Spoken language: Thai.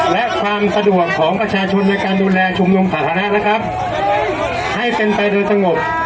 และความสะดวกของประชาชนในการดูแลชุมนุมสาธารณะนะครับให้เป็นไปโดยสงบ